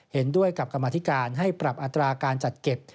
เห็นด้วยกับกรรมธิการให้ปรับอัตราการจัดเก็บ